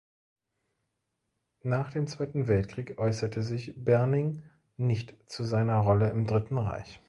Nach dem Zweiten Weltkrieg äußerte sich Berning nicht zu seiner Rolle im Dritten Reich.